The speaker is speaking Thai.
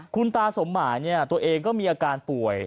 คุณตาสมหมายตัวเองก็มีอาการป่วย